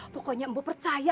pokoknya mbok percaya